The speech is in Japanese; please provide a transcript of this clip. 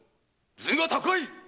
頭が高い！